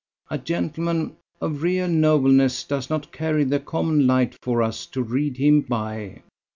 . A gentleman of real nobleness does not carry the common light for us to read him by.